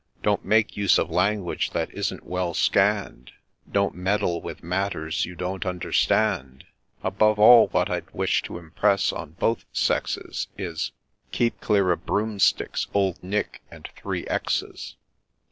— Don't make use of language that isn't well scann'd !— Don't meddle with matters you don't understand !— Above all, what I'd wish to impress on both sexes Is, — Keep clear of Broomsticks, Old Nick, and three XXX's.